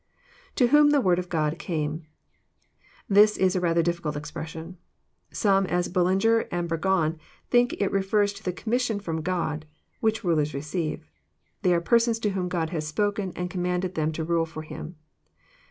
[To wJiom the word of God came,'] This is a rather difficult expression. Some, as Bullinger and Bnrgon, think that it re fers to the commission from God, which rulers receive: "they are persons to whom God has spoken, and commanded them to rule for Him."